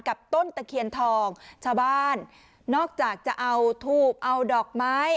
ต้นตะเคียนทองชาวบ้านนอกจากจะเอาทูบเอาดอกไม้